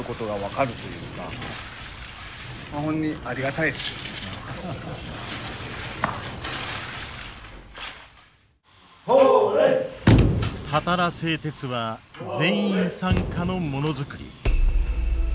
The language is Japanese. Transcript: たたら製鉄は全員参加のものづくり。